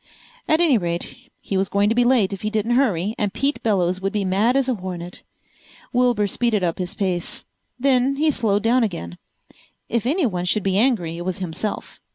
At any rate he was going to be late if he didn't hurry, and Pete Bellows would be mad as a hornet. Wilbur speeded up his pace. Then he slowed down again. If anyone should be angry it was himself.